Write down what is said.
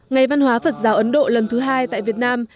ngày văn hóa phật giáo ấn độ lần thứ hai tại việt nam